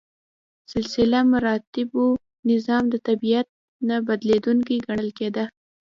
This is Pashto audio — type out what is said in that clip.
سلسله مراتبو نظام د طبیعت نه بدلیدونکی ګڼل کېده.